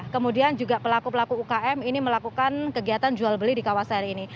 kemudian juga pelaku pelaku ukm ini melakukan kegiatan jual beli di kawasan ini